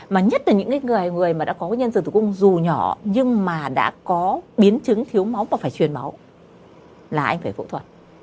mà nhất là những người mà đã có nhân dường tử cung dù nhỏ nhưng mà đã có biến chứng thiếu máu và phải truyền máu là anh phải phẫu thuật